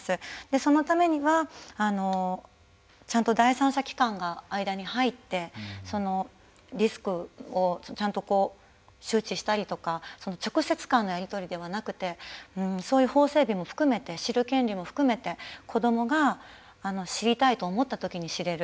そのためにはちゃんと第三者機関が間に入ってリスクをちゃんと周知したりとか直接間のやり取りではなくてそういう法整備も含めて知る権利も含めて子どもが知りたいと思ったときに知れる。